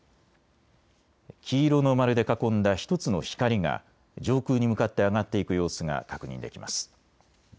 黄色の丸で囲んだ１つの光が上空に向かって上がっていく様子が確認できます。